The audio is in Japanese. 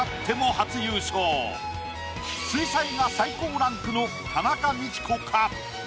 水彩画最高ランクの田中道子か？